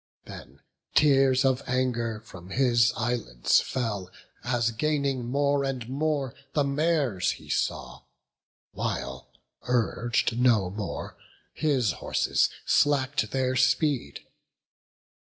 Then tears of anger from his eyelids fell, As gaining more and more the mares he saw, While, urg'd no more, his horses slack'd their speed.